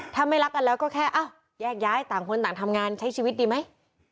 ถ้าไม่รักกันแล้วก็แค่อ้าวแยกย้ายต่างคนต่างทำงานใช้ชีวิตดีไหม